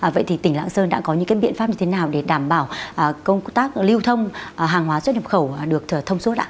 vậy thì tỉnh lạng sơn đã có những cái biện pháp như thế nào để đảm bảo công tác lưu thông hàng hóa xuất nhập khẩu được thông suốt ạ